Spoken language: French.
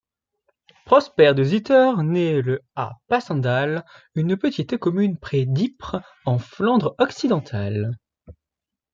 Prosper de Zitter nait le à Passendale, une petite commune près d'Ypres en Flandre-Occidentale.